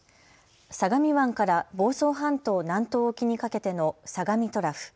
相模湾から房総半島南東沖にかけての相模トラフ。